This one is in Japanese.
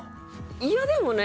いやでもね